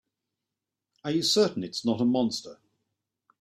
Are you certain it's not a monster?